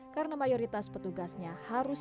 karena mayoritas petugasnya harus kemas